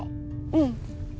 うん。